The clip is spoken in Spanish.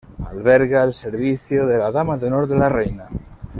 Alberga el servicio de la dama de honor de la reina.